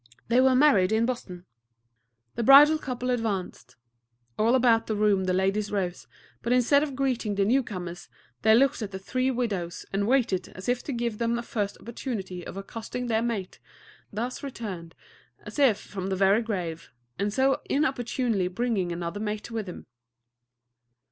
"They were married in Boston." The bridal couple advanced. All about the room the ladies rose, but instead of greeting the newcomers, they looked at the "three widows," and waited as if to give them first an opportunity of accosting their mate, thus returned as if from the very grave, and so inopportunely bringing another mate with him.